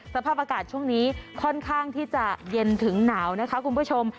สภาพอากาศช่วงนี้ค่อนข้างที่จะเย็นถึงหนาวนะคะคุณผู้ชม